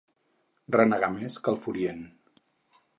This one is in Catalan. Renegar més que el Furient.